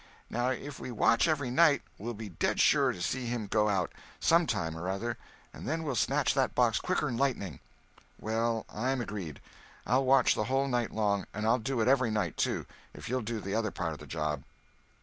Now, if we watch every night, we'll be dead sure to see him go out, some time or other, and then we'll snatch that box quicker'n lightning." "Well, I'm agreed. I'll watch the whole night long, and I'll do it every night, too, if you'll do the other part of the job."